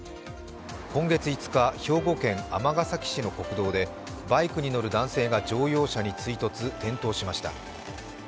今月５日、兵庫県尼崎市の国道でバイクに乗る男性が乗用車に追突、転倒しました。